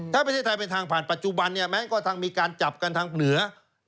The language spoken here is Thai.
ถ้าประเทศไทยเป็นทางผ่านปัจจุบันเนี่ยแม้กระทั่งมีการจับกันทางเหนือ